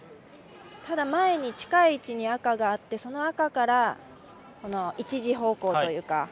ただ、前に近い位置に赤があってその赤から、１時方向というか。